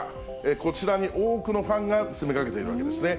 こちらに多くのファンが詰めかけているわけですね。